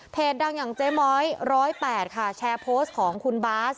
ดังอย่างเจ๊ม้อย๑๐๘ค่ะแชร์โพสต์ของคุณบาส